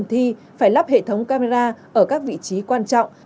thi phải lắp hệ thống camera ở các vị trí quan trọng